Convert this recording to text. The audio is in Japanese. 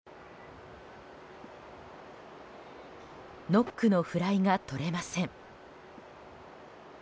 ノックのフライがとれません。